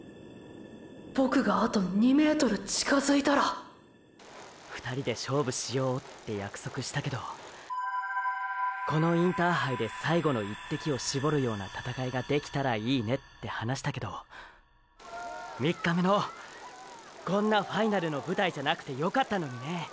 ボクがあと２ｍ近づいたら２人で勝負しようって約束したけどこのインターハイで最後の一滴を絞るような闘いができたらいいねって話したけど３日目のーーこんなファイナルの舞台じゃなくてよかったのにね。